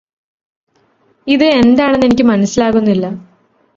ഇത് എന്താണെന്നു എനിക്ക് മനസ്സിലാകുന്നില്ല